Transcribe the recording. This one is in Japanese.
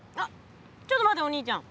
ちょっと待ってお兄ちゃん。